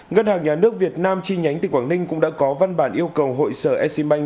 ngân hàng nhà nước việt nam chi nhánh từ quảng ninh cũng đã có văn bản yêu cầu hội sở exim bank